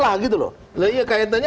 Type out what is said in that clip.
loh iya kaitannya apa